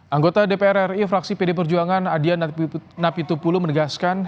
anggota dpr ri fraksi pd perjuangan adian napitupulu menegaskan